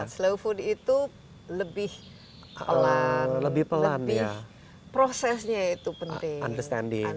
slow food itu lebih pelan lebih prosesnya itu penting